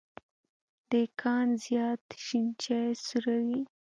دیکان زیات شين چای څوروي.